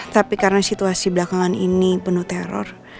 tapi karena situasi belakangan ini penuh teror